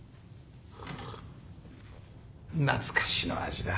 懐かしの味だ。